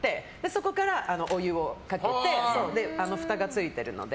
そこから、お湯をかけてふたがついてるので。